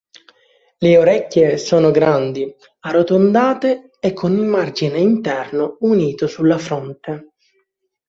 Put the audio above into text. Le orecchie sono grandi, arrotondate e con il margine interno unito sulla fronte.